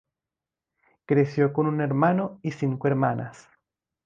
Creció con un hermano y cinco hermanas.